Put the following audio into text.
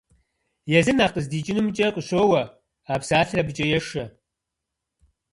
Езыр нэхъ къыздикӀынумкӀэ къыщоуэ, и псалъэр абыкӀэ ешэ.